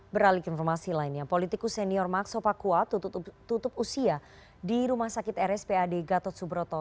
beralik informasi lainnya politikus senior maxo pakua tutup usia di rumah sakit rspad gatot subroto